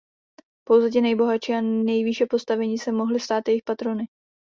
Pouze ti nejbohatší a nejvýše postavení se mohli stát jejich patrony.